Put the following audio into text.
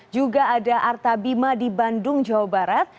juga ada arta bima di bandung jawa barat